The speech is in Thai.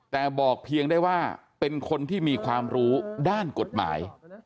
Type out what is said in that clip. แต่บอกเพียงได้ว่าเป็นคนที่มีความรู้ด้านกฎหมาย